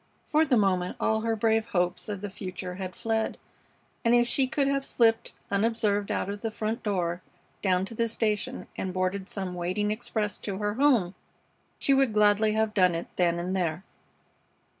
For the moment all her brave hopes of the future had fled, and if she could have slipped unobserved out of the front door, down to the station, and boarded some waiting express to her home, she would gladly have done it then and there.